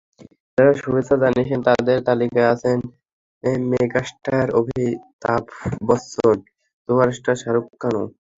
যারা শুভেচ্ছা জানিয়েছেন, তাঁদের তালিকায় আছেন মেগাস্টার অমিতাভ বচ্চন, সুপারস্টার শাহরুখ খানও।